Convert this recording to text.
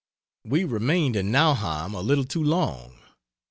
We remained in Nauheim a little too long.